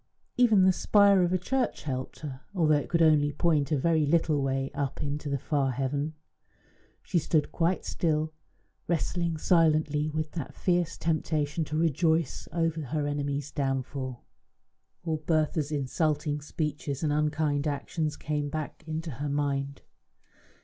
Even the spire of a church helped her, although it could only point a very little way up into the far heaven. She stood quite still, wrestling silently with that fierce temptation to rejoice over her enemy's downfall. All Bertha's insulting speeches and unkind actions came back into her mind.